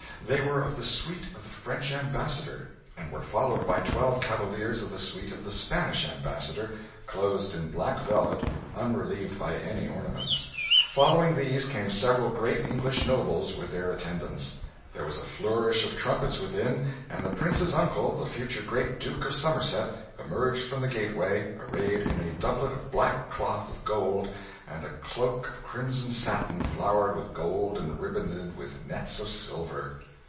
They were of the suite of the French ambassador, and were followed by twelve cavaliers of the suite of the Spanish ambassador, clothed in black velvet, unrelieved by any ornament. Following these came several great English nobles with their attendants.' There was a flourish of trumpets within; and the Prince's uncle, the future great Duke of Somerset, emerged from the gateway, arrayed in a 'doublet of black cloth of gold, and a cloak of crimson satin flowered with gold, and ribanded with nets of silver.